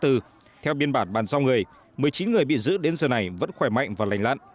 theo biên bản bàn giao người một mươi chín người bị giữ đến giờ này vẫn khỏe mạnh và lành lặn